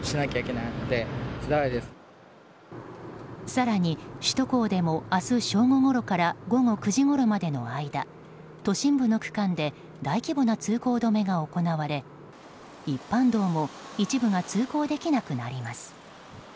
更に、首都高でも明日正午ごろから午後９時ごろまでの間都心部の区間で大規模な通行止めが行われ一般道も一部が通行できなくなります。